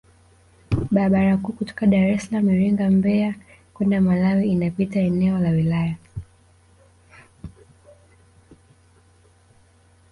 Barabara kuu kutoka Daressalaam Iringa Mbeya kwenda Malawi inapita eneo la wilaya